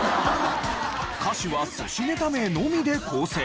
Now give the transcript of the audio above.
歌詞は寿司ネタ名のみで構成。